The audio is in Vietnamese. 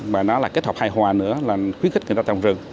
và nó là kết hợp hài hòa nữa là khuyến khích người ta trồng rừng